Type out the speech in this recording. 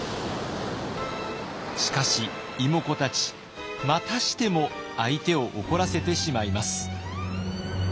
しかし妹子たちまたしても相手を怒らせてしまいます。